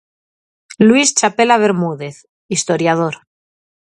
Luis Chapela Bermúdez, historiador.